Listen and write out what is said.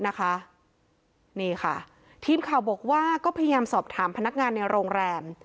นี่ค่ะทีมข่าวบอกว่าก็พยายามสอบถามพนักงานในโรงแรม